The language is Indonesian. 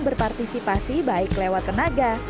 berpartisipasi baik lewat tenaga